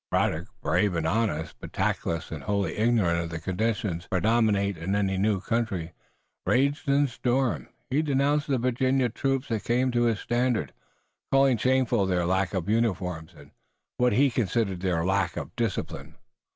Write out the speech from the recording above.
Braddock, brave and honest, but tactless and wholly ignorant of the conditions predominant in any new country, raged and stormed. He denounced the Virginia troops that came to his standard, calling shameful their lack of uniforms and what he considered their lack of discipline.